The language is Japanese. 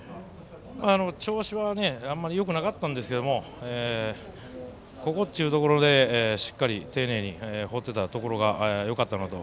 調子はあまりよくなかったんですがここというところでしっかり丁寧に放っていたところがよかったなと。